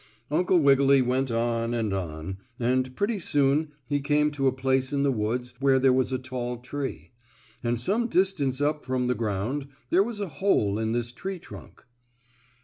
Uncle Wiggily went on and on, and pretty soon he came to a place in the woods where there was a tall tree. And some distance up from the ground there was a hole in this tree trunk.